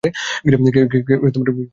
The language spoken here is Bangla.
কেউ আমাকে বাঁচান!